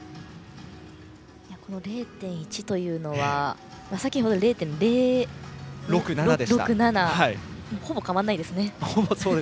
０．１というのはさっきまでは０．０６７でしたがほぼ変わらないですね。